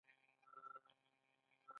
ایا رڼا مو سترګې ځوروي؟